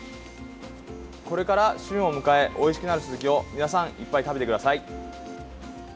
これから旬を迎えおいしくなるスズキを、皆さんいっぱい食べてください！